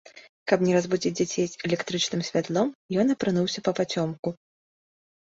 Каб не разбудзіць дзяцей электрычным святлом, ён апрануўся папацёмку.